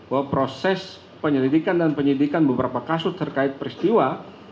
bahwa proses penyelidikan dan penyidikan beberapa kasus terkait peristiwa